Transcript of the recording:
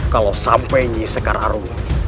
kalau sampai nyisekar aruh